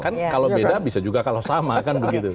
kan kalau beda bisa juga kalau sama kan begitu